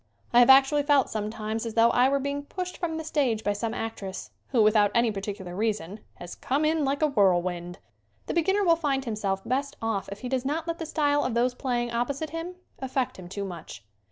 I have actually felt sometimes as though I were being pushed from the stage by some actress, who, without any particular reason, has come in like a whirlwind. The beginner will find himself best off if he does not let the style of those playing opposite him affect him too much.